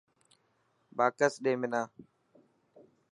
باڪس ڏي منا.